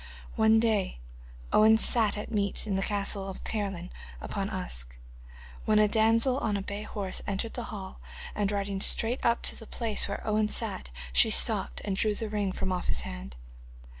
One day Owen sat at meat in the castle of Caerleon upon Usk, when a damsel on a bay horse entered the hall, and riding straight up to the place where Owen sat she stooped and drew the ring from off his hand.